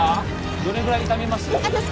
どれぐらい痛みます？